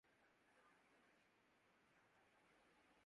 یوں ہی گر روتا رہا غالب! تو اے اہلِ جہاں